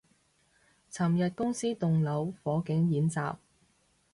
尋日公司棟樓火警演習